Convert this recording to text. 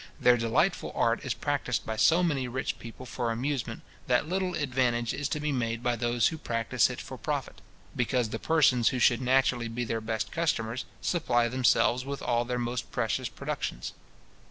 Their delightful art is practised by so many rich people for amusement, that little advantage is to be made by those who practise it for profit; because the persons who should naturally be their best customers, supply themselves with all their most precious productions.